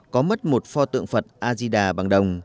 có mất một pho tượng phật azi đà bang đồng